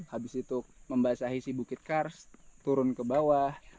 habis itu membasahi si bukit kars turun ke bawah